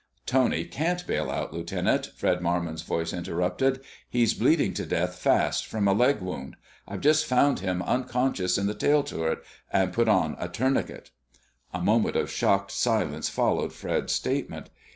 "Tony can't bail out, Lieutenant," Fred Marmon's voice interrupted. "He's bleeding to death fast, from a leg wound. I've just found him unconscious in the tail turret, and put on a tourniquet." A moment of shocked silence followed Fred's statement.